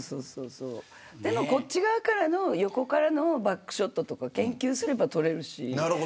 でも、横からのバックショットとか研究すれば撮れるし。